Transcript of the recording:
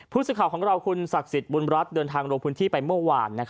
ผู้สื่อข่าวของเราคุณศักดิ์สิทธิ์บุญรัฐเดินทางลงพื้นที่ไปเมื่อวาน